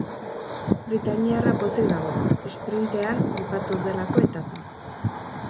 Britainiarra pozik dago, esprintean bukatu delako etapa.